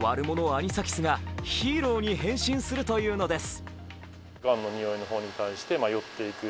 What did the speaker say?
アニサキスがヒーローに変身するというのです。